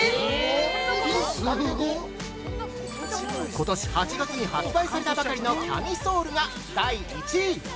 ◆今年８月に発売されたばかりのキャミソールが第１位。